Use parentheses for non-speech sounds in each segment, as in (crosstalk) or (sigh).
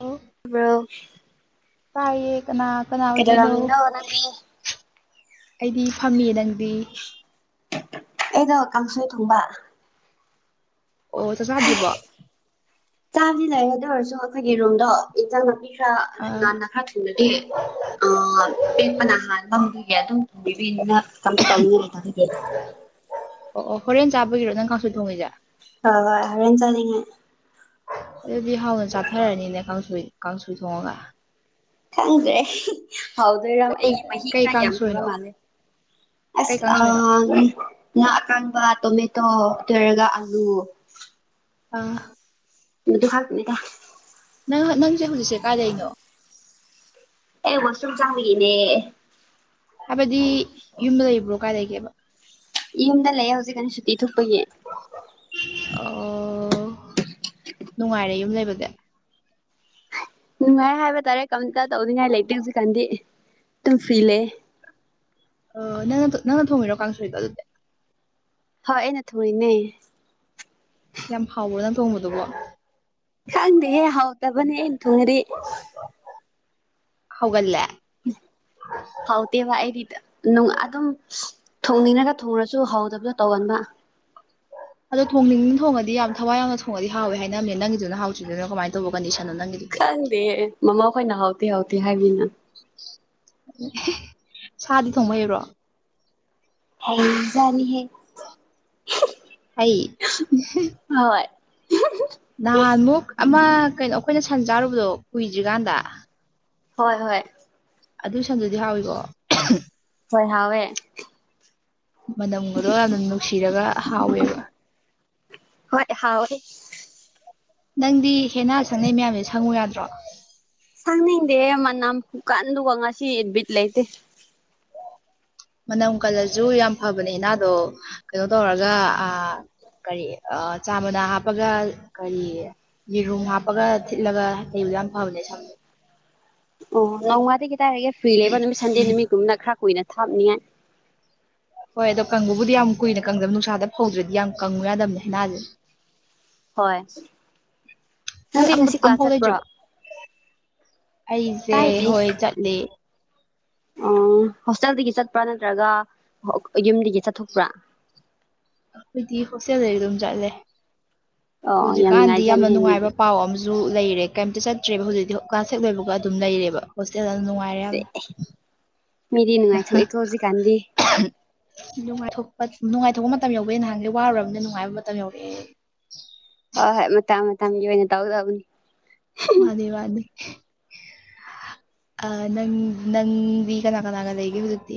ꯑꯣ ꯕ꯭ꯔꯣ ꯇꯥꯏꯌꯦ ꯀꯅꯥ ꯀꯅꯥ ꯑꯣꯏꯗꯣꯏꯅꯣ ꯀꯩꯗꯧꯔꯝꯃꯤꯅꯣ ꯅꯪꯗꯤ ꯑꯩꯗꯤ ꯐꯝꯃꯤꯌꯦ ꯅꯪ ꯑꯩꯗꯣ ꯀꯥꯡꯁꫭꯏ ꯊꫭꯡꯕ ꯑꯣ ꯆꯠ ꯆꯥꯗ꯭ꯔꯤꯕꯣ ꯆꯥꯗꯤ ꯂꯩꯔꯦ ꯑꯗꯨ ꯑꯣꯏꯔꯁꯨ ꯑꯩꯈꯣꯏꯒꯤ ꯔꯨꯝꯗꯣ ꯏꯟꯁꯥꯡ ꯅꯥꯄꯤ ꯈꯔ ꯑꯥ ꯉꯥꯟꯅ ꯈꯔ ꯊꯨꯅꯗꯤ ꯑ ꯄꯦꯛꯄꯅ ꯍꯥꯟꯕ ꯑꯗꯨꯝ ꯇꯤꯕꯤ ꯃꯅꯛ ꯊꯝꯒꯦ ꯇꯧꯕꯅꯦ ꯑꯣ ꯍꯣꯔꯦꯟ ꯆꯥꯕꯒꯤꯔꯣ ꯅꯪ ꯀꯥꯡꯁꫭꯏ ꯊꯣꯡꯉꯤꯁꯦ ꯑ ꯍ ꯍꯔꯦꯟ ꯆꯥꯅꯤꯡꯉꯦ ꯑꯗꯨꯗꯤ ꯍꯥꯎꯅ ꯆꯥꯊꯔꯅꯤꯅꯦ ꯀꯥꯡꯁꯣꯏ ꯀꯥꯡꯁꯣꯏ ꯊꯣꯡꯉꯒ ꯈꯪꯗ꯭ꯔꯦ ꯍꯥꯎꯗꯣꯏꯔꯥꯝ ꯑꯩꯒꯤ ꯃꯍꯤ ꯀꯩ ꯈꯔ ꯌꯥꯝꯈ꯭ꯔꯕ ꯀꯥꯡꯁꯣꯏꯅꯣ ꯃꯥꯜꯂꯦ ꯀꯩ ꯑꯁ ꯑ ꯀꯥꯡꯁꯣꯏꯅꯣ ꯉꯥ ꯑꯀꯥꯡ ꯇꯣꯃꯦꯇꯣ ꯇꯣꯏꯔꯒ ꯑꯜꯂꯨ ꯑ ꯗꯨ ꯍꯥꯥꯛꯅꯤꯗ ꯅꯪ ꯅꯪꯁꯦ ꯍꯧꯖꯤꯛꯁꯦ ꯀꯥꯏ ꯂꯩꯅꯣ ꯑꯦ ꯋꯥꯁꯔꯨꯝ ꯆꯪꯕꯒꯤꯅꯦ ꯍꯥꯏꯕꯗꯤ ꯌꯨꯝꯗ ꯂꯩꯕ꯭ꯔꯣ ꯀꯥꯏ ꯂꯩꯒꯦꯕ ꯏ ꯌꯨꯝꯗ ꯂꯩꯌꯦ ꯍꯧꯖꯤꯛꯀꯟ ꯁꯨꯇꯤ ꯊꯣꯛꯄꯒꯤ ꯑꯣ ꯅꯨꯡꯉꯥꯏꯔꯦ ꯌꯨꯝ ꯂꯩꯕꯒꯤ ꯅꯨꯡꯉꯥꯏ ꯍꯥꯏꯕ ꯇꯥꯔꯦ ꯀꯝꯇ ꯇꯧꯅꯤꯡꯉꯥꯏ ꯂꯩꯇꯦ ꯍꯧꯖꯤꯛꯀꯥꯟꯗꯤ ꯇꯨꯝ ꯐ꯭ꯔꯤ ꯂꯦ ꯑꫭ ꯅꯪꯅ ꯅꯪꯅ ꯊꯣꯡꯉꯤꯔꯣ ꯀꯥꯡꯁꯣꯏꯗꯣ ꯑꯗꯨꯗꫭ ꯍꫭꯏ ꯑꯩꯅ ꯊꫭꯡꯏꯅꯦ ꯌꯥꯝ ꯍꯥꯎꯕ꯭ꯔꫭ ꯅꯪ ꯊꯣꯡꯕꯗꯨꯕꫭ ꯈꯪꯗꯦꯍꯦ ꯍꯥꯎꯇꯕꯅꯦ ꯑꯩꯟ ꯊꫭꯡꯉꯗꯤ ꯍꯧꯒꯠꯂꯦ ꯍꯥꯎꯇꯦꯕ ꯑꯩꯗꯤ ꯅꯨꯡ ꯑꯗꯨꯝ ꯊꯣꯡꯅꯤꯡꯔꯒ ꯊꯣꯡꯉꯁꯨ ꯁꯨ ꯍꯥꯎꯗꯕꯗꯨ ꯇꯧꯒꯟꯕ ꯑꯗꯣ ꯊꯣꯡꯅꯤꯡ ꯊꯣꯡꯉꯗꯤ ꯌꯥꯝ ꯊꯋꯥꯏ ꯌꯥꯝꯅ ꯊꯣꯡꯉꯗꯤ ꯍꯥꯎꯋꯦ ꯍꯥꯏꯅꯅꯕꯅꯦ ꯅꯪꯒꯤꯗꯨꯅ ꯍꯥꯎꯇ꯭ꯔꯤꯗꯨꯅ ꯀꯃꯥꯏꯅ ꯇꯧꯕ ꯀꯟꯗꯤꯁꯟ ꯈꯪꯗꯦ ꯃꯃꯥꯈꯣꯏꯅ ꯍꯥꯎꯇꯦ ꯍꯥꯎꯇꯦ ꯍꯥꯏꯕꯤꯅ ꯁꯥꯗꯤ ꯊꯣꯡꯕ ꯍꯩꯕ꯭ꯔꯣ ꯍꯩ ꯖꯥꯅꯤꯍꯦ ꯍꯩ ꯍꯣꯏ ꯅꯍꯥꯟꯃꯨꯛ ꯑꯃ ꯀꯩꯅꯣ ꯑꯩꯈꯣꯏꯅ ꯁꯟ ꯆꯥꯔꯨꯕꯗꯣ ꯀꯨꯏꯗ꯭ꯔꯤꯀꯥꯟꯗ ꯍꯣꯏ ꯍꯣꯏ ꯑꯗꯨ ꯁꯟꯗꯨꯗꯤ ꯍꯥꯎꯋꯤꯀꯣ ꯍꯣꯏ ꯍꯥꯎꯋꯦ ꯃꯅꯝꯒꯗꯣ ꯌꯥꯝ ꯅꯨꯡꯁꯤꯔꯒ ꯍꯥꯎꯋꯦꯕ ꯍꯣꯏ ꯍꯥꯎꯋꯦ ꯅꯪꯗꯤ ꯍꯦꯟꯅꯥ ꯁꯪꯅꯩ ꯃꯌꯥꯝꯁꯦ ꯁꯪꯉꯨ ꯌꯥꯗ꯭ꯔꯣ ꯁꯪꯅꯤꯡꯗꯦ ꯃꯅꯝ ꯈꯨꯀꯟꯗꯨꯒ ꯉꯁꯤ ꯕꯤꯠ ꯂꯩꯇꯦ ꯃꯅꯝ ꯀꯜꯂꯁꯨ ꯌꯥꯝ ꯐꯕꯅꯦ ꯍꯦꯅꯥꯗꯣ ꯀꯩꯅꯣ ꯇꯧꯔꯒ ꯑ ꯀꯔꯤ ꯑꯥ ꯆꯥ ꯃꯅꯥ ꯍꯥꯞꯄꯒ ꯀꯔꯤ ꯌꯦꯔꯨꯝ ꯍꯥꯞꯄꯒ ꯊꯤꯠꯂꯒ ꯇꯩꯕꯗ ꯌꯥꯝ ꯐꯕꯅꯦ ꯁꯝ ꯑꯣ ꯅꯣꯡꯃꯗꯤ ꯀꯦꯗꯥꯔꯒꯦ ꯐ꯭ꯔꯤ ꯂꯩꯕ ꯅꯨꯃꯤꯠ ꯁꯟꯗꯦ ꯅꯨꯃꯤꯠꯀꯨꯝꯕꯗ ꯈꯔ ꯀꯨꯏꯅꯁ ꯊꯥꯕꯅꯤꯉꯥꯏ ꯍꯣꯏ ꯑꯗꯣ ꯀꯪꯕꯨꯗꯤ ꯌꯥꯝ ꯀꯨꯏꯅ ꯀꯪꯗꯕ ꯅꯨꯡꯁꯥꯗ ꯐꯧꯗ꯭ꯔꯗꯤ ꯌꯥꯝ ꯀꯪꯉꯨ ꯌꯥꯗꯕꯅꯦ ꯍꯦꯅꯥꯗꯤ ꯍꯣꯏ ꯅꯪ ꯉꯁꯤ ꯀ꯭ꯂꯥꯁ ꯑꯝꯐꯥꯎ ꯆꯠꯄ꯭ꯔꯣ ꯂꯩꯇ꯭ꯔꯤꯕꯣ ꯑꯩꯁꯦ ꯍꯣꯏ ꯆꯠꯂꯤ ꯎ ꯍꯣꯁꯇꯦꯜꯗꯒꯤ ꯆꯠꯄ꯭ꯔꯥ ꯅꯠꯇ꯭ꯔꯒ ꯌꯨꯝꯗꯒꯤ ꯌꯦ ꯆꯠꯊꯣꯛꯄ꯭ꯔꯥ ꯍꯣꯁꯇꯦꯜꯗꯗꯤ ꯑꯗꯨꯝ ꯆꯠꯂꯦ ꯑꯣ ꯌꯥꯝ ꯍꯧꯖꯤꯛꯀꯥꯟꯗꯤ ꯌꯥꯝꯅ ꯅꯨꯡꯉꯥꯏꯖꯥꯠꯅꯤꯍꯦ ꯃꯤꯗꯤ ꯅꯨꯡꯉꯥꯏꯕ ꯄꯥꯎ ꯑꯃꯁꯨ ꯨ ꯂꯩꯔꯦ ꯀꯩꯇ ꯆꯠꯇ꯭ꯔꯦꯕ ꯍꯧꯖꯤꯛꯇꯤ ꯀ ꯁꯦꯛ ꯂꯣꯏꯕꯒ ꯑꯗꯨꯝ ꯂꯩꯔꯦꯕ ꯅꯨꯡꯉꯥꯏꯔꯦ ꯌꯥꯝ ꯃꯦꯗꯤ ꯅꯨꯡꯉꯥꯏꯊꯨ ꯏꯀꯣ ꯍꯧꯖꯤ ꯀꯥꯟꯗꯤ ꯅꯨꯡꯉꯥꯏꯊꯣꯛꯄ ꯅꯨꯡꯉꯥꯏꯊꯣꯛꯄ ꯃꯇꯝ ꯌꯧꯧꯕ ꯅꯍꯥꯟꯒ ꯋꯥꯔꯨꯔꯕꯅ ꯅꯨꯡꯉꯥꯏꯕ ꯃꯇꯝ ꯌꯧꯔꯛꯑꯦ ꯍꯣꯏ ꯍꯣꯏ ꯃꯇ ꯃꯇꯝꯒꯤ ꯑꯣꯏꯅ ꯇꯧꯒꯗꯕꯅꯤ ꯃꯥꯗꯤ ꯋꯥꯅꯤ ꯑ ꯅꯪ ꯅꯪꯒ ꯅꯅꯥꯒꯅꯥꯒꯗ ꯍꯒ ꯍꯧꯇꯤ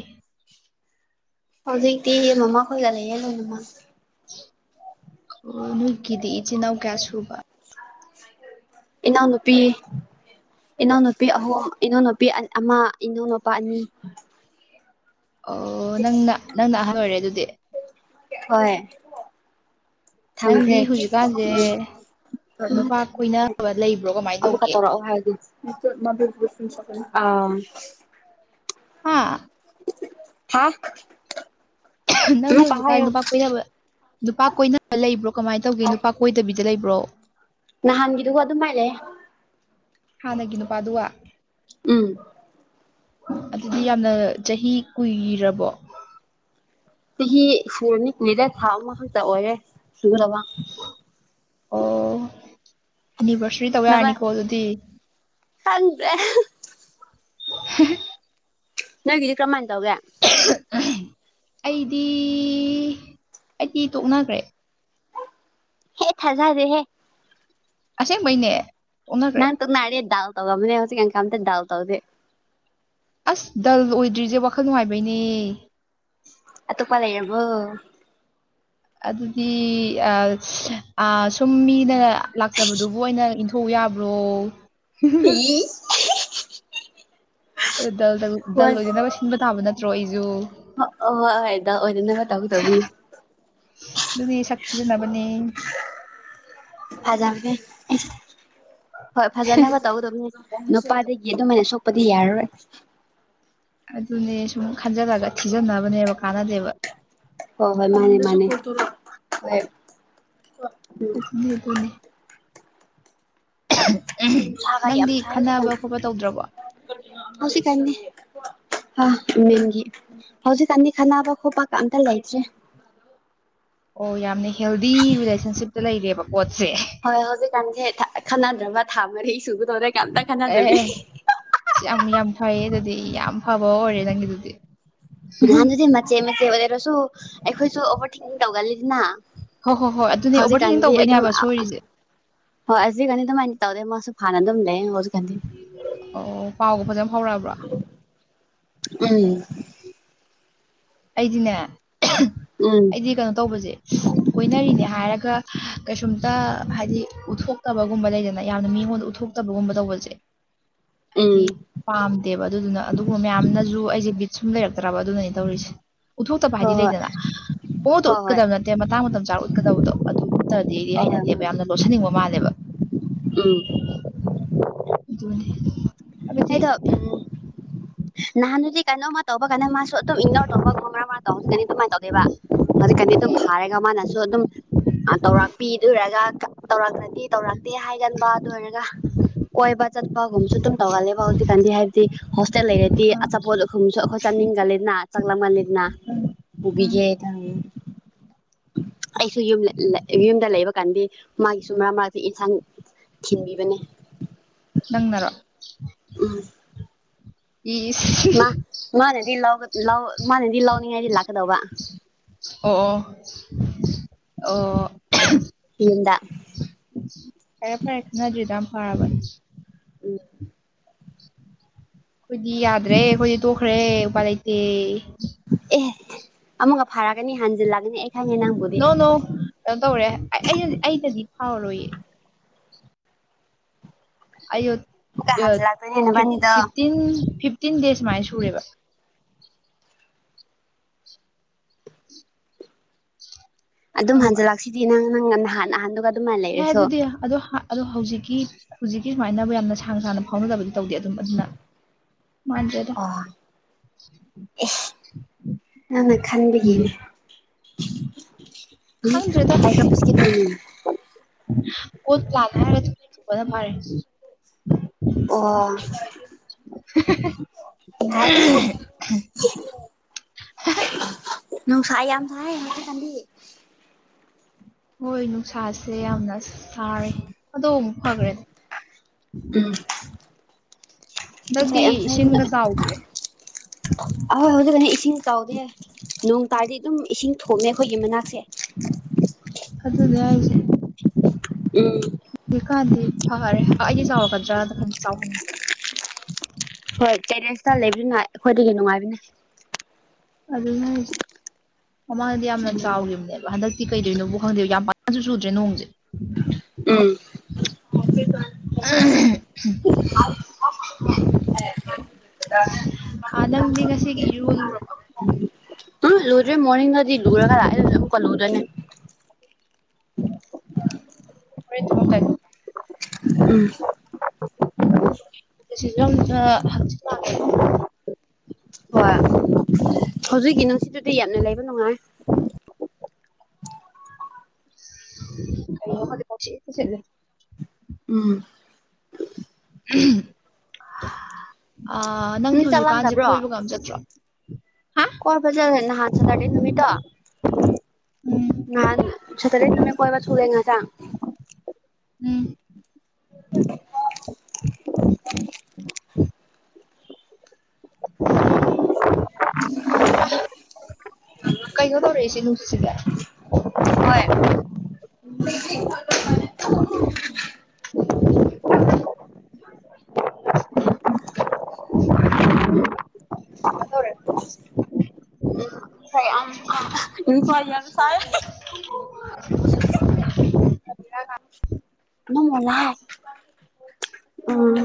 ꯍꯧꯖꯤꯛꯇꯤ ꯃꯃꯥ ꯈꯣꯏꯒꯂꯦ ꯑꯗꯨ ꯃꯃꯥ ꯑꯣ ꯅꯣꯏ ꯀꯗ ꯆꯅꯎ ꯀꯌꯥꯁꯨꯕ ꯏꯟꯅ ꯅꯨꯄꯤꯤ ꯏꯅꯥꯎꯅꯨꯄꯤ ꯑꯍꯨꯝ ꯏꯅꯥꯎꯅꯨꯄꯤ ꯑꯃ ꯏꯅꯥꯎꯅꯨꯄꯥ ꯑꯅꯤ ꯑꯣ ꯅꯪꯅ ꯅꯪꯅ ꯑꯍꯜ ꯑꯣꯏꯔꯦ ꯑꯗꯨꯗꯤ ꯍꯣꯏ ꯅꯪꯗꯤ ꯊꯝꯈ꯭ꯔꯦ ꯍꯧꯖꯤꯛꯀꯥꯟꯁꯦ ꯅꯨꯄꯥ ꯀꯣꯏꯅꯕ ꯂꯩꯕ꯭ꯔꯣ ꯀꯃꯥꯏꯅ ꯎꯝ ꯈ ꯇꯧꯒꯦ ꯇꯔ ꯑꯥ ꯍꯥ ꯍꯥꯥ ꯅꯪꯗꯤ ꯍꯧꯖꯤꯛꯀꯥꯟ ꯅꯨꯄꯥ ꯀꯣꯏꯅꯕ ꯅꯨꯄꯥ ꯀꯣꯏꯅꯕ ꯂꯩꯕ꯭ꯔꯣ ꯀꯃꯥꯏꯅ ꯇꯧꯒꯦ ꯅꯨꯄꯥ ꯀꯣꯏꯗꯕꯤꯗ ꯂꯩꯕ꯭ꯔꯣ ꯅꯍꯥꯟꯒꯤꯗꯨꯒ ꯑꯗꯨꯃꯥꯏ ꯂꯩ ꯍꯥꯟꯅꯒꯤ ꯅꯨꯄꯥꯗꯨꯒ ꯎꯝ ꯑꯗꯨꯗꯤ ꯌꯥꯝꯅ ꯆꯍꯤ ꯀꯨꯏꯔꯕꯣ ꯁꯤ ꯐꯨꯣꯟꯅꯤ ꯂꯤꯔ ꯊꯥ ꯃꯟ ꯇ ꯑꯣꯏ ꯌꯥꯦ ꯁꯨ꯭ꯔ ꯋꯥ ꯑꯣ ꯑꯦꯅꯤꯚꯔꯁꯔꯤ ꯇꯧ ꯌꯥꯔꯅꯤꯀꯣ ꯑꯗꯨꯗꯤ ꯊꯗ꯭ꯔꯦ (unintelligible) ꯅꯪꯗꯤ ꯀ꯭ꯔꯃ ꯑꯦ ꯇꯑꯒꯦ ꯑꯩꯗꯤ ꯑꯩꯗꯤ ꯇꯣꯛꯅꯈ꯭ꯔꯦ ꯍꯦ ꯊꯥꯖꯥꯖꯦ ꯍꯦ ꯑꯁꯦꯡ ꯃꯣꯏꯅꯦ ꯅ ꯇ ꯅꯥ ꯗꯥꯥꯜ ꯇꯧꯧꯕ ꯃꯅ ꯍꯧꯁꯤ ꯀꯝ ꯗꯥꯎꯜ ꯇꯧꯗꯦ ꯗꯜ ꯑꯣꯏꯗ꯭ꯔꯤꯁꯦ ꯋꯥꯈꯜ ꯅꯨꯡꯉꯥꯏꯕꯩꯅꯦ ꯑꯠꯇꯄ ꯂꯩ ꯌꯦꯔꯕꯣ ꯑꯗꯨꯗꯤ ꯁꯨꯝ ꯃꯤꯅ ꯂꯥꯛꯆꯕꯗꯨꯕꯨ ꯑꯣꯏꯅ ꯊꯧ ꯌꯥꯕ꯭ꯔꯣ ꯍꯝ ꯗ ꯗꯜ ꯑꯣꯏꯗꯅꯕ ꯁꯤꯟꯕ ꯇꯥꯕ ꯅꯠꯇ꯭ꯔꯣ ꯑꯩꯁꯦ ꯍ ꯍ ꯍꯣꯏ ꯍꯣꯏꯗ ꯑꯣꯏꯗ ꯇꯧꯒ ꯇꯧꯕꯅꯤ ꯑꯗꯨꯗꯤ ꯁꯛꯈꯤꯗꯕꯅꯤ ꯐꯖꯦ ꯍꯣꯏ ꯐꯖꯅꯕ ꯇꯧꯒꯗꯕꯅꯦ ꯅꯨꯄꯥꯗꯒꯤ ꯑꯗꯨꯃꯥꯏꯅ ꯁꯣꯛꯄꯗꯤ ꯌꯥꯔꯔꯣꯏ ꯑꯗꯨꯅꯦ ꯁꯨꯝ ꯈꯟꯖꯜꯂꯒ ꯊꯤꯖꯟꯅꯕꯅꯦꯕ ꯀꯥꯟꯅꯗꯦꯕ ꯍꯣ ꯍꯣꯏ ꯃꯥꯅꯦ ꯃꯥꯅꯦ ꯍꯣꯏ ꯁ ꯀꯣꯅꯤ ꯅꯪꯗꯤ ꯈꯟꯅꯕ ꯈꯣꯠꯄ ꯇꯧꯗ꯭ꯔꯕꯣ ꯍꯧ ꯀ ꯍꯥꯃꯦꯝꯒꯤ ꯍꯧꯖꯤꯛꯀꯥꯟꯗꯤ ꯈꯅꯕ ꯈꯣꯠꯄ ꯀ ꯑꯇ ꯂꯩꯇ꯭ꯔꯦ ꯍꯜꯂꯣ ꯑꯣ ꯌꯥꯝꯅ ꯍꯦꯜꯗꯤ ꯔꯤꯂꯦꯁꯟꯁꯤꯞꯇ ꯂꯩꯔꯦꯕ ꯄꯣꯠꯁꯦ ꯍꯣꯏ ꯍꯧꯖꯤꯛ ꯀꯥꯟꯁꯦ ꯊ ꯈꯅꯥꯅ ꯗ꯭ꯔꯕ ꯊꯕꯔꯁꯨ ꯔ ꯀꯥꯟꯗ ꯈꯥꯟꯅꯥ ꯗꯕꯤ ꯑꯦ ꯁꯤ ꯌꯥꯝ ꯌꯥꯝ ꯐꯩꯌꯦ ꯑꯗꯨꯗꯤ ꯌꯥꯝ ꯐꯕ ꯑꯣꯏꯔꯦ ꯅꯪꯒꯤꯗꯨꯗꯤ ꯅꯍꯥꯟ ꯑꯗꯨꯗꯤ ꯃꯆꯦ ꯃꯆꯦ ꯑꯣꯏꯔꯁꯨ ꯑꯩꯈꯣꯏꯁꯨ ꯑꯣꯚꯔꯊꯦꯛꯀꯤꯡ ꯇꯧꯒꯜꯂꯤꯗꯅ ꯍꯣꯏ ꯍꯣꯏ ꯍꯣꯏ ꯑꯗꯨꯅꯦ ꯑꯣꯚꯔ ꯊꯦꯛꯀꯤꯡ ꯍꯧꯖꯤꯛꯀꯥꯟꯗꯤ ꯑꯗꯨꯝ ꯇꯧꯕꯩꯅꯦꯕ ꯁꯣꯏꯔꯤꯁꯦ ꯍꯣꯏ ꯑꯁꯤꯒꯅꯤ ꯑꯗꯨꯃꯥꯏꯅ ꯇꯧꯗꯦ ꯃꯥꯁꯨ ꯐꯥꯅ ꯑꯗꯨꯝ ꯂꯩꯖꯤꯛ ꯑꯣ ꯄꯥꯎꯒ ꯐꯖꯅ ꯐꯥꯎꯔꯛꯑꯕ꯭ꯔꯥ ꯎꯝ ꯑꯩꯗꯤꯅꯦ ꯎꯝ ꯎꯝ ꯑꯩꯗꯤ ꯀꯩꯅꯣ ꯇꯧꯕꯁꯦ ꯀꯣꯏꯅꯔꯤꯅꯦ ꯍꯥꯏꯔꯒ ꯀꯩꯁꯨꯝꯇ ꯍꯥꯏꯗꯤ ꯎꯠꯊꯣꯛꯇꯕꯒꯨꯝꯕ ꯂꯩꯗꯅ ꯌꯥꯝꯅ ꯃꯤꯉꯣꯟꯗ ꯎꯠꯊꯣꯛꯇꯕꯒꯨꯝꯕ ꯇꯧꯕꯁꯦ ꯎꯝ ꯑꯩꯗꯤ ꯄꯥꯝꯗꯦꯕ ꯑꯗꯨꯗꯨꯅ ꯑꯗꯨꯒꯨꯝꯕ ꯃꯌꯥꯝꯅꯁꯨ ꯑꯩꯁꯦ ꯁꯨꯝ ꯂꯩꯔꯛꯇ꯭ꯔꯕ ꯑꯗꯨꯅꯅꯤ ꯇꯧꯔꯤꯁꯦ ꯎꯠꯊꯣꯛꯇꯕ ꯍꯥꯏꯗꯤ ꯍꯣꯏ ꯂꯩꯗꯅ ꯑꯣꯗꯣ ꯍꯣꯏ ꯎꯠꯀꯗꯕ ꯅꯠꯇꯦ ꯃꯇꯥꯡ ꯃꯇꯝ ꯆꯥꯔ ꯎꯠꯀꯗꯕꯗꯣ ꯑꯗꯨ ꯇ꯭ꯔꯗꯤ ꯑꯩꯗꯤ ꯍꯣꯏ ꯍꯣꯏ ꯍꯣꯏ ꯍꯩꯅꯗꯦꯕ ꯌꯥꯝꯅ ꯂꯣꯠꯁꯤꯟꯅꯤꯡꯕ ꯃꯥꯜꯂꯦꯕ ꯎꯝ ꯑꯗꯨꯅꯦ ꯍꯥꯏꯕꯗꯤ ꯑꯩꯗꯣ ꯎꯝ ꯅꯍꯥꯟꯅꯗꯤ ꯀꯥꯟꯅ ꯃꯥ ꯇ ꯇ ꯀꯩꯅ ꯃꯥꯁꯨ ꯑꯗꯨꯝ ꯏꯟꯗꯔ ꯇꯒꯣꯔ ꯇꯝ ꯀ ꯇ ꯃꯥꯥꯏ ꯇꯧꯗꯦꯕ ꯍꯧꯖꯤꯛꯀꯗꯤ ꯑꯗꯨꯝ ꯐꯥꯔꯒ ꯃꯥꯅꯁꯨ ꯑꯗꯨꯝ ꯇꯧꯔꯥꯛꯄꯤꯗꯔꯒ ꯇꯧꯔꯛꯂꯗꯤ ꯇꯧꯔꯛꯇꯦ ꯍꯥꯏꯒꯟꯕ ꯑꯗꯨ ꯑꯣꯏꯔꯒ ꯀꯣꯏꯕ ꯆꯠꯄꯒꯨꯝꯕꯁꯨ ꯑꯗꯨꯝ ꯇꯧꯒꯜꯂꯦꯕ ꯍꯧꯖꯤꯛꯀꯥꯟꯗꯤ ꯍꯥꯏꯕꯗꯤ ꯍꯣꯁꯇꯦꯜ ꯂꯩꯔꯗꯤ ꯑꯥ ꯑꯆꯥꯄꯣꯠ ꯑꯈꯨꯝꯁꯨ ꯑꯩꯈꯣꯏ ꯆꯥꯅꯤꯡꯒꯜꯂꯤꯅ ꯆꯥꯛꯂꯝꯒꯜꯂꯤꯗꯅ ꯎꯝ ꯎꯕꯤꯦ ꯍꯥꯏ ꯑꯩꯁꯨ ꯌꯨꯝ ꯌꯨꯝꯗ ꯂꯩꯕ ꯀꯥꯟꯗꯤ ꯃꯥꯒꯤꯁꯨ ꯃꯔꯛ ꯃꯔꯛꯇ ꯌꯦꯟꯁꯥꯡ ꯊꯤꯟꯕꯤꯕꯅꯦ ꯅꯪꯅꯔꯣ ꯎꯝ ꯏꯁ ꯃꯥ ꯃꯥꯅꯦꯗꯤ ꯂꯧ ꯂꯧ ꯃꯥꯅꯦꯗꯤ ꯂꯧꯅꯤꯡꯉꯥꯏꯗꯤ ꯂꯥꯛꯀꯗꯧꯕ ꯑꯣꯣꯛ ꯑꯣ ꯌꯨꯝꯗ ꯐꯔꯦ ꯐꯔꯦ ꯑꯦ ꯈꯅ ꯑꯗꯨꯗꯝ ꯐꯔꯥꯕꯅꯤ ꯎꯝ ꯑꯩꯈꯣꯏꯗꯤ ꯌꯥꯗ꯭ꯔꯦ ꯑꯩꯈꯣꯏꯗꯤ ꯇꯣꯛꯈ꯭ꯔꯦ ꯎꯄꯥ ꯂꯩꯇꯦ ꯑꯦ ꯑꯃꯨꯛꯒ ꯐꯥꯔꯛꯒꯅꯤ ꯍꯥꯟꯖꯤꯜꯂꯒꯅꯤ ꯑꯩ ꯈꯪꯉꯦ ꯅꯪꯕꯨꯗꯤ ꯅꯣ ꯅꯣ ꯀꯩꯅꯣ ꯇꯧꯔꯦꯩꯅ ꯑꯩꯗꯗꯤ ꯐꯥꯎꯔꯔꯣꯏꯌꯦ ꯑꯣ ꯑꯃꯨꯛꯀ ꯐ ꯍꯟꯖꯤꯜꯂꯛꯇꯣꯏꯅꯦ ꯅꯕꯥꯅꯤꯗꯣ ꯐꯤꯐꯇꯤꯟ ꯇꯤꯟ ꯗꯦꯖ ꯃꯥꯥꯏ ꯁꯨꯔꯦꯕ ꯑꯗꯨꯝ ꯈꯪꯕ꯭ꯔꯥ ꯍꯟꯖꯤꯜꯂꯛꯁꯤꯗꯤ ꯅꯪ ꯅ ꯍꯥꯟꯅ ꯍꯥꯟꯗꯨꯒ ꯍꯦ ꯑꯗꯨꯗꯤ ꯑꯗꯣ ꯑꯗꯣ ꯍꯧꯖꯤꯛꯀꯤ ꯍꯧꯖꯤꯛꯀꯤ ꯁꯨꯃꯥꯏꯅꯅꯕ ꯌꯥꯝꯅ ꯁꯥꯡꯅ ꯁꯥꯡꯅ ꯐꯥꯎꯅꯗꯕꯗꯤ ꯇꯧꯗꯦ ꯑꯗꯨꯝ ꯑꯗꯨꯅ ꯃꯖꯗ ꯑꯦ ꯅꯪꯅ ꯎꯝ ꯈꯟꯕꯤꯒꯤꯅꯦ ꯍꯪꯗ꯭ꯔꯦꯗ ꯀꯣꯠ ꯂꯥꯛ ꯍꯥꯏꯔꯗ ꯐꯔ ꯑꯣ ꯁꯥꯏ (unintelligible) ꯁꯥꯏꯝ ꯊꯥꯏ ꯀꯕꯤ ꯍꯣꯏ ꯅꯨꯡꯁꯥꯁꯦ ꯌꯥꯝꯅ ꯁꯥꯔꯦ ꯑꯗꯣ ꯑꯃꯨꯛ ꯐꯈ꯭ꯔꯦ ꯎꯝ ꯍꯟꯗꯛꯇꯤ ꯏꯁꯤꯡꯒ ꯆꯥꯎꯗ꯭ꯔꯦ ꯥꯏꯥꯏ ꯑꯗ ꯀ ꯏꯁꯤꯡ ꯆꯥꯎꯗꯦ ꯅꯣꯡ ꯇꯥꯔꯗꯤ ꯑꯗꯨꯝ ꯏꯁꯤꯡ ꯊꯣꯛꯃꯦ ꯑꯩꯈꯣꯏꯒꯤ ꯃꯅꯥꯛꯁꯦ ꯑꯗꯨꯗꯤ ꯎꯝ ꯍꯥꯏꯁꯦꯀꯥꯗꯤ ꯐꯔꯦ ꯑꯩꯒꯤ ꯆꯥꯎꯔꯛꯒꯗ꯭ꯔꯥꯗ ꯈ ꯆꯥꯎꯍꯟꯅꯤꯡꯕꯗꯤ ꯍꯣꯏ ꯆꯦꯔꯦꯟꯁꯇ ꯂꯩꯕꯅ ꯑꯩꯈꯣꯏꯗꯒꯤ ꯅꯨꯡꯉꯥꯏꯕꯅꯦ ꯑꯗꯨꯅꯔꯤꯁꯦ ꯃꯃꯥꯡꯗ ꯌꯥꯝꯅ ꯎꯝ ꯆꯥꯎꯈꯤꯕꯅꯦꯕ ꯍꯟꯗꯛꯇꯤ ꯀꯩꯗꯣꯏꯅꯣꯕꯨ ꯈꯪꯗꯦꯕ ꯌꯥꯝ ꯄ ꯀꯁꯨ ꯁꯨꯗ꯭ꯔꯦ ꯅꯣꯡꯁꯦ ꯎꯝ (inaudible) ꯑꯦ ꯑ ꯅꯪꯗꯤ ꯉꯁꯤꯒꯤ ꯏꯔꯨ ꯂꯨꯔꯕ ꯂꯨꯗ꯭ꯔꯦ ꯃꯣꯔꯅꯤꯡꯗꯗꯤ ꯂꯨꯔꯒ ꯂꯥꯛꯑꯦ ꯑꯗꯨꯅ ꯑꯃꯨꯛꯀ ꯂꯨꯗꯅꯦ ꯍ ꯊ ꯀ ꯎꯝ ꯁꯤꯁꯨ ꯑ ꯍꯆꯤ ꯍꯣꯏ ꯍꯧꯖꯤꯛꯀꯤ ꯅꯨꯡꯁꯤꯗꯨꯗꯤ ꯌꯥꯝꯅ ꯂꯩꯕ ꯅꯨꯡꯉꯥꯏ ꯗꯤ ꯄꯁꯤꯗ ꯎꯝ ꯑ ꯅꯪꯗꯤ ꯍꯧꯖꯤꯛꯀꯥꯟꯁꯦ ꯀꯣꯏꯕ ꯉꯝ ꯆꯠꯇ꯭ꯔꯣ ꯍꯥ? ꯀꯣꯏ ꯐ ꯆ ꯅꯍꯥꯟ ꯆ ꯇꯦ ꯅꯨꯃꯤꯠꯇꯣ ꯎꯝ ꯆꯇꯔꯦ ꯅ ꯀꯣꯏ ꯋꯥ ꯁꯨꯒꯦ ꯅ ꯊ ꯎꯝ ꯍ (inaudible) ꯀꯩꯅꯣ ꯇꯧꯔꯛꯏꯁꯤ ꯅꯨꯡꯁꯤ ꯁꯤꯒ ꯍꯣꯏ (inaudible) ꯏ ꯐ ꯌꯥ ꯑꯗꯨ ꯁꯔꯦ ꯅꯂ ꯎꯝ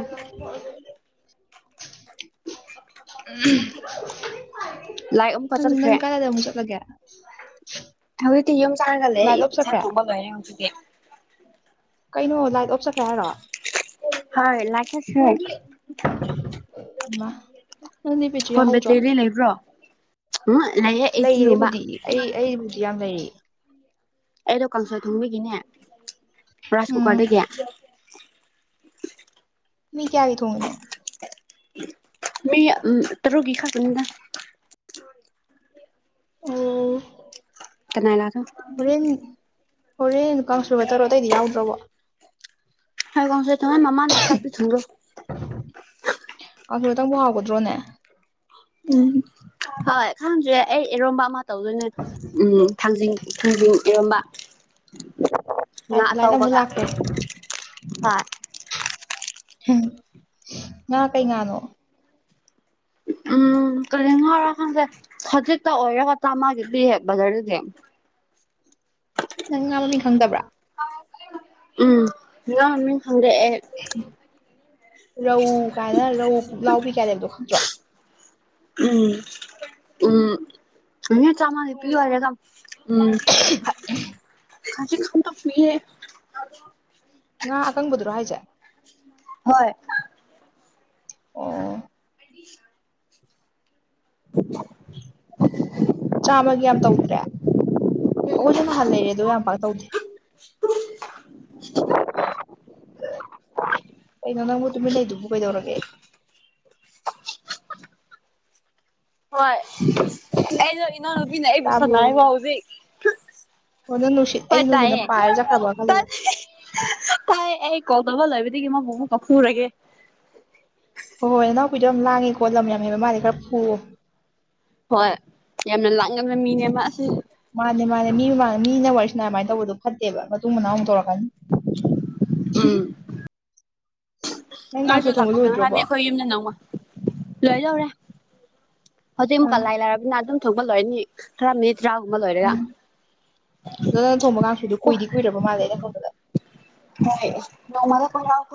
ꯂꯥꯏ ꯪ ꯀꯗ ꯃ ꯆꯠꯂꯒꯦ ꯍꯧꯖꯤꯛꯇꯤ ꯌꯨꯝ ꯆꯥꯅꯒꯜꯂꯦ ꯂꯥꯏꯠ ꯑꯣꯐ ꯏꯥ ꯆꯠꯈ꯭ꯔꯦ ꯊꯣꯛꯄ ꯂꯣꯏꯔꯦ ꯍꯧꯖꯤꯛꯇꯤ ꯀꯩꯅꯣ ꯂꯥꯏꯠ ꯑꯣꯞꯆꯠꯈ꯭ꯔꯦ ꯍꯥꯏꯔꯣ ꯍꯣꯏ ꯂꯒꯦꯁ ꯅꯤ ꯄꯖꯌꯥ ꯍꯧꯗ꯭ꯔꯥ ꯕꯦꯇ꯭ꯔꯤꯗꯤ ꯂꯩꯕ꯭ꯔꯣ ꯎꯝ ꯂꯩꯌꯦ ꯑꯩꯠꯇꯤꯒꯨꯝꯕ ꯑꯩꯕꯨꯗꯤ ꯑꯩ ꯑꯩꯕꯨꯗꯤ ꯌꯥꯝ ꯂꯩꯔꯤ ꯑꯩꯗꯣ ꯀꯥꯡꯁꯣꯏ ꯊꯣꯡꯕꯒꯤꯅꯦ ꯔꯥꯏꯁ ꯎꯝ ꯀꯨꯀꯔꯗꯒꯤ (inaudible) ꯃꯤ ꯀꯔꯤ ꯊꯣꯡ ꯏꯅꯣ ꯃꯤ ꯇꯔꯒꯤ ꯈꯔꯅꯤꯡꯗ ꯑꯣ ꯀꯅꯥ ꯏ ꯂꯥꯛꯒ ꯍꯣꯔꯦꯟ ꯍꯣꯔꯦꯟ ꯂꯨ ꯀꯥꯡ ꯁꯕ ꯇꯔꯣ ꯑꯇꯩꯗꯤ ꯌꯥꯎꯗ꯭ꯔꯕ ꯍꯒꯥꯎꯁꯦ ꯊꯉ ꯃꯃꯥꯗ ꯆꯥꯛꯄꯤ ꯊꯨꯡꯗꯣ ꯀꯥꯡꯁꯣꯏꯇꯪꯕꯨ ꯍꯥꯎꯒꯗ꯭ꯔꯣꯅꯦ ꯎꯝ ꯍꯣꯏ ꯈꯪꯝꯁꯨ ꯑꯩ ꯏꯔꯣꯝꯕ ꯑꯃ ꯇꯧꯗꯣꯏꯅꯦ ꯎꯝ ꯊꯥꯡꯖꯤꯡ ꯈꯖꯤꯡ ꯏꯔꯝꯕ ꯉꯥ ꯂꯥꯏꯠ ꯑꯃꯨꯛ ꯇꯧꯕꯒ ꯂꯥꯛꯈ꯭ꯔꯦ ꯐꯣꯏ ꯉ ꯀꯩ ꯉꯥꯅꯣ ꯎꯝ ꯇ ꯂꯉ ꯋꯥ ꯈꯪꯖꯦ ꯈꯖꯤꯛꯇ ꯑꯣꯏꯔꯦꯒ ꯆ ꯃꯥꯒꯤꯗꯤ ꯕꯖꯔꯗꯨꯗꯤ ꯅꯪ ꯉꯥꯡꯕ ꯃꯤ ꯈꯪꯗꯕ꯭ꯔꯥ ꯎꯝ ꯏꯃꯤ ꯍꯪꯗꯦ ꯔꯧ ꯀꯥꯏꯅ ꯔꯧ ꯂꯥꯎꯕꯤ ꯀꯅꯦꯕꯗꯣ ꯈꯪꯗ꯭ꯔꯣ ꯎꯝ ꯎꯝ ꯑ ꯆꯃꯅꯤ ꯄꯤ ꯋꯥꯔꯦꯒ ꯎꯝ ꯀꯖꯤ ꯈꯥꯟ ꯇ ꯐꯏꯦ ꯉꯍ ꯑꯀꯪꯕꯗꯨꯔꯣ ꯍꯥꯏꯁꯦ ꯍꯣꯏ ꯑꯣ ꯎ (inaudible) ꯆꯥꯝꯃꯒ ꯌꯥꯝ ꯇꯧꯗ꯭ꯔꯦ ꯑꯣꯖꯅ ꯍꯜ ꯂꯩꯌꯦꯦ ꯑꯗꯨꯣ ꯌꯥꯝ ꯄ ꯇꯧꯗꯦ (unintelligible) ꯑꯩꯅꯣ ꯅꯪꯕꯨ ꯇꯨꯃꯤꯟꯅ ꯂꯩꯗꯨꯕꯨ ꯀꯩꯗꯧꯔꯒꯦ ꯍꯣꯏ ꯑꯩꯩꯅ ꯏꯅꯥꯎꯅꯨꯄꯤꯅ ꯑꯩꯕꯨ ꯁꯥꯟꯅ ꯇꯥꯕ꯭ꯔꯣ ꯍꯥꯏꯕ ꯍꯧꯖꯤꯛ ꯑꯣ ꯅꯪ ꯅꯨꯡꯁꯤꯠ ꯍꯣꯏ ꯑꯩꯗꯤ ꯅꯨꯡꯁꯤꯠꯅ ꯇꯥꯏꯌꯦ ꯄꯥꯏꯔ ꯆꯠꯈ꯭ꯔꯕ ꯇꯥꯏ ꯈꯜꯂꯨꯔꯦ ꯇꯥꯏ ꯑꯦ ꯀꯗꯕ ꯂꯕ ꯗꯒꯤ ꯃꯥ ꯀꯄꯨꯔꯒꯦ ꯍꯣꯏ ꯍꯣꯏ ꯅꯅꯥꯎꯨꯄꯤꯗꯣ ꯌꯥꯝ ꯂꯥꯡꯉꯦꯀꯣ ꯂꯝ ꯌꯥꯝꯃꯦꯕ ꯃꯥꯂꯦ ꯈꯔ ꯐꯨꯑꯣꯣ ꯍꯣꯏ ꯌꯥꯝꯅ ꯂꯥꯡꯉꯅ ꯃꯤꯅꯦꯕ ꯑꯁꯤ ꯃꯥꯅꯦ ꯃꯥꯅꯦ ꯃꯤ ꯃꯥ ꯃꯤꯅ ꯋꯥꯔꯤꯁꯤꯅ ꯑꯗꯨꯃꯥꯏꯅ ꯇꯧꯕꯗꯣ ꯐꯠꯇꯦꯕ ꯃꯇꯨꯡ ꯃꯅꯥꯎꯨꯛ ꯇꯧꯔꯛꯄ ꯎꯝ ꯅꯪ ꯉꯥꯁꯨ ꯀꯥꯡꯁꯣꯏ ꯊꯣꯡꯕ ꯂꯥꯛꯄ ꯀꯪ ꯂꯣꯏꯗ꯭ꯔꯕꯣ ꯈꯥꯟꯅꯤ ꯑꯩꯈꯣꯏ ꯌꯨꯝꯗ ꯅꯪꯉ ꯂꯣꯏ ꯂꯧꯧꯔꯦ ꯍꯧꯖꯤꯛ ꯑꯃꯨꯛꯀ ꯑꯥ ꯂꯥꯏ ꯂꯩꯥꯏꯔꯕꯅꯤꯅ ꯑꯗꯨꯝ ꯊꯣꯛꯒ ꯂꯣꯏꯔꯅꯤ ꯈꯔ ꯃꯤꯠ ꯇꯔꯥꯒꯨꯝꯕ ꯂꯣꯏꯔꯒ ꯎꯝ ꯑꯗꯣ ꯅꯪ ꯊꯣꯡꯕ ꯀꯥꯡꯁꯣꯏꯗꯣ ꯀ ꯀꯨꯏꯗꯤ ꯀꯨꯏꯔꯕ ꯃꯥꯜꯂꯦ ꯑꯩꯅ ꯊꯣꯡꯕꯗ ꯍ ꯅ ꯃ ꯀ